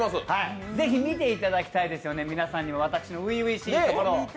ぜひ、見ていただきたいですよね、皆さんにも私の初々しいところを。